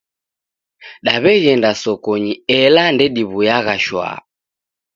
Daw'eghenda sokonyi, ela ndediw'uyagha shwaa.